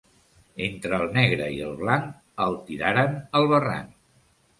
Entre el negre i el blanc, el tiraren al barranc.